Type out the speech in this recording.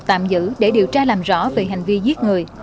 tạm giữ để điều tra làm rõ về hành vi giết người